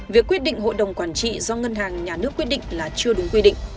việc quyết định hội đồng quản trị do ngân hàng nhà nước quyết định là chưa đúng quy định